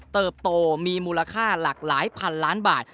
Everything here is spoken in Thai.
เติบโตมีมูลค่าหลากหลายพันล้านบาท